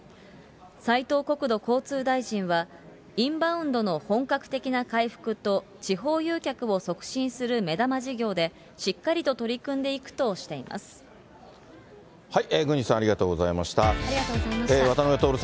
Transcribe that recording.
斉藤国土交通大臣は、インバウンドの本格的な回復と、地方誘客を促進する目玉事業で、しっかりと取り組んでいくとしてうーんうわっ！